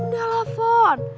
udah lah pon